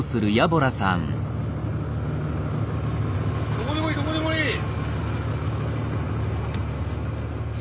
どこでもいい！